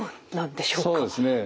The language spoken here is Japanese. そうですね